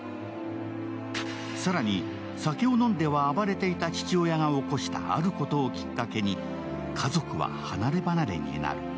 更に、酒を飲んでは暴れていた父親が起こしたあることをきっかけに、家族は離れ離れになる。